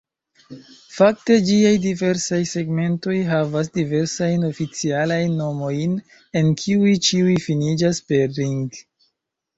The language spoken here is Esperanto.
Fakte ĝiaj diversaj segmentoj havas diversajn oficialajn nomojn, el kiuj ĉiuj finiĝas per "-ring".